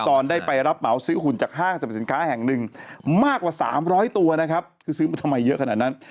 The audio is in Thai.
ตอนได้ไปรับเหมาซื้อหุ่นจากห้างสรรพสินค้าแห่งหนึ่งมากกว่า๓๐๐ตัวนะครับคือซื้อมาทำไมเยอะขนาดนั้น